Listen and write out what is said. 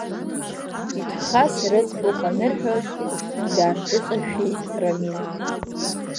Иҭахаз рыӡбахә анырҳәоз, даарҿыҵашәеит Рамин…